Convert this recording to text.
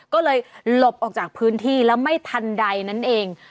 ก็เลยหลบออกจากพื้นที่แล้วไม่ทันใดนั่นเอง